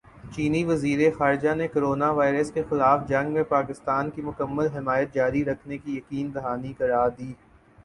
چینی وزیرخارجہ نے کورونا وائرس کےخلاف جنگ میں پاکستان کی مکمل حمایت جاری رکھنے کی یقین دہانی کرادی